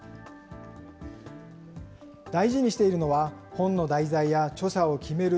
大事にしているのは、本の題材や著者を決める